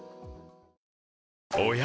おや？